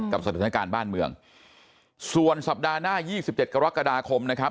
กับสถานการณ์บ้านเมืองส่วนสัปดาห์หน้ายี่สิบเจ็ดกรกฎาคมนะครับ